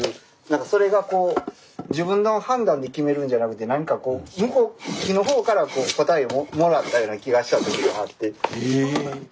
何かそれが自分の判断で決めるんじゃなくて何か木の方から答えをもらったような気がした時があって。